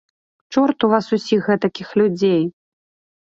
К чорту вас усіх гэтакіх людзей!